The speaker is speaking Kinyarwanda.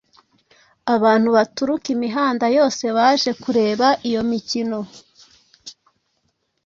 Abantu baturuka imihanda yose baje kureba iyo mikino.